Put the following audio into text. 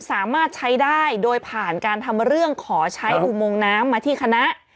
สามารถใช้ได้โดยผ่านการทำเรื่องขอใช้อุโมงน้ำมาที่คณะ